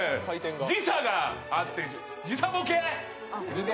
時差があって、時差ぼけ！